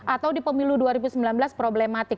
atau di pemilu dua ribu sembilan belas problematik